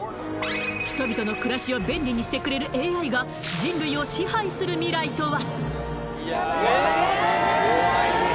人々の暮らしを便利にしてくれるＡＩが人類を支配する未来とは？